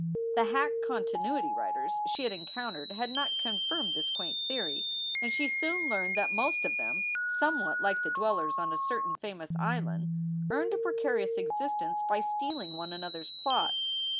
The hack continuity writers she had encountered had not confirmed this quaint theory, and she soon learned that most of them, somewhat like the dwellers on a certain famous island, earned a precarious existence by stealing one another s plots.